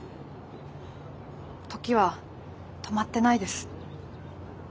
時は止まってないです。